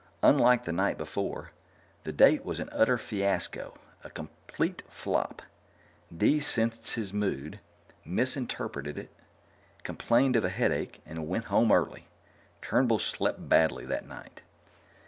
Unlike the night before, the date was an utter fiasco, a complete flop. Dee sensed his mood, misinterpreted it, complained of a headache, and went home early. Turnbull slept badly that night.